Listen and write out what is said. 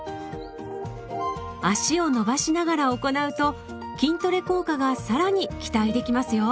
脚を伸ばしながら行うと筋トレ効果がさらに期待できますよ。